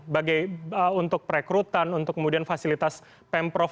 bagi untuk perekrutan untuk kemudian fasilitas pemprov